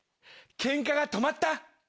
ケンカが止まった。